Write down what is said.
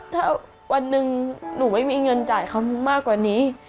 ถ้าวันหนึ่งหนูไม่มีเงินจ่ายเขามากกว่านี้